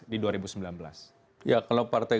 di dua ribu sembilan belas ya kalau partai